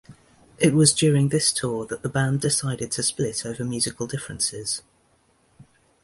It was during this tour that the band decided to split over musical differences.